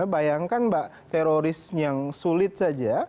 bayangkan mbak teroris yang sulit saja